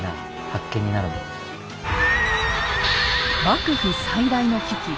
幕府最大の危機